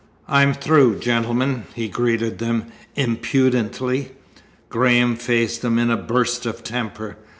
"I'm through, gentlemen," he greeted them impudently. Graham faced him in a burst of temper.